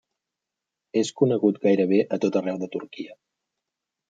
És conegut gairebé a tot arreu de Turquia.